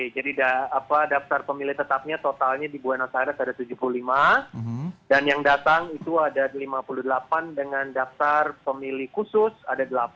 jadi daftar pemilih tetapnya totalnya di buenos aires ada tujuh puluh lima dan yang datang itu ada lima puluh delapan dengan daftar pemilih khusus ada delapan